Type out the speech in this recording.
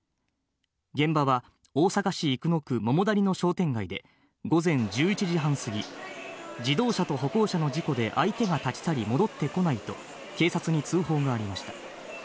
現場は大阪市生野区桃谷の商店街で、午前１１時半過ぎ、自動車と歩行者の事故で相手が立ち去り戻ってこないと、警察に通報がありました。